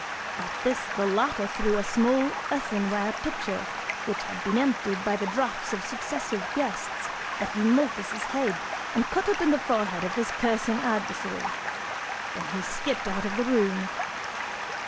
At this, the latter threw a small earthenware pitcher, which had been emptied by the draughts of successive guests, at Eumolpus' head, and cut open the forehead of his cursing adversary: then he skipped out of the room.